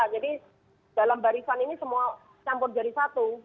jadi dalam barisan ini semua campur dari satu